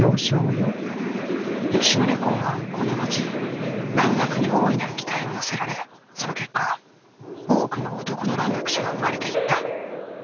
吉宗公はこの後蘭学に大いなる期待を寄せられその結果多くの男の蘭学者が生まれていった。